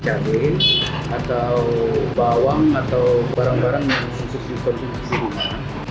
cabai atau bawang atau barang barang yang susu susu konsumsi rumah